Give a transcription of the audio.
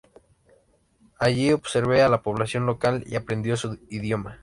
Allí observe a la población local y aprendió su idioma.